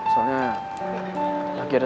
soalnya lagi ada